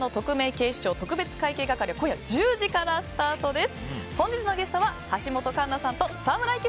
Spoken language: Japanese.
警視庁特別会計係」今夜１０時からスタートです。